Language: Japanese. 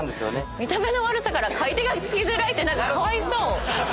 見た目の悪さから買い手がつきづらいってかわいそう！